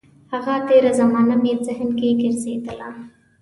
هغه تېره زمانه مې ذهن کې وګرځېدله.